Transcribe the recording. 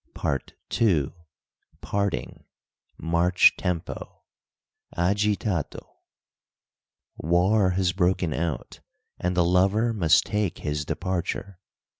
PART II. PARTING MARCH TEMPO; Agitato "War has broken out, and the lover must take his departure."